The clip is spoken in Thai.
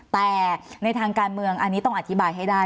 แต่ในทางการเมืองอันนี้ต้องอธิบายให้ได้